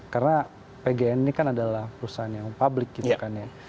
karena pgn ini kan adalah perusahaan yang public gitu kan ya